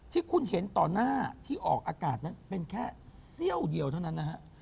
ที่คุณเห็นต่อหน้าที่ออกอากาศนั้นเป็นแค่เสี้ยวเดียวเท่านั้นนะฮะ